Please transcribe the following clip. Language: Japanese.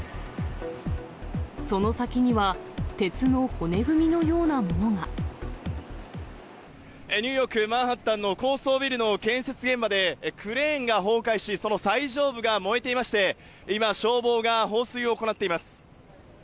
その先には、ニューヨーク・マンハッタンの高層ビルの建設現場で、クレーンが崩壊し、その最上部が燃えていまして、今、消防が放水を行っています。